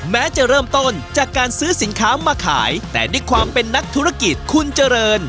แม้จะเริ่มต้นจากการซื้อสินค้ามาขายแต่ด้วยความเป็นนักธุรกิจคุณเจริญ